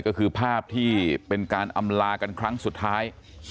ก็คือภาพที่เป็นการอำลากันครั้งสุดท้าย